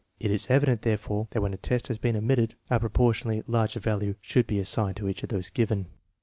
It is evident, therefore, that when a test has been omitted, a proportionately larger value should be assigned to each of those given.